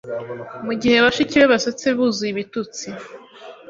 Mugihe bashiki be basetse buzuye ibitutsi